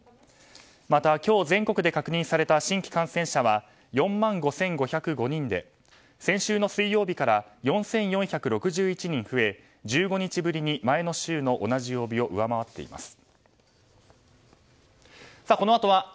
また今日全国で確認された新規感染者は４万５５０５人で先週の水曜日から４４６１人増え１５日ぶりに前の週の同じ曜日を上回っています。